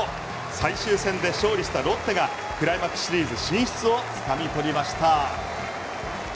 最終戦で勝利したロッテがクライマックスシリーズ進出をつかみ取りました。